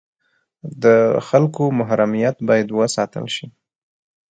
د خلکو محرمیت باید وساتل شي